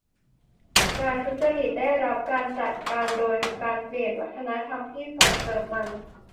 การทุจริตจะได้รับการจัดการโดยการเปลี่ยนวัฒนธรรมที่ส่งเสริมมัน